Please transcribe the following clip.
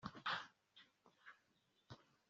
ibendera ni urukiramende rw ibara ry ubururu